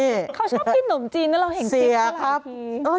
เขาชอบกินนมจีนแล้วเราเห็นจริงมากหลายที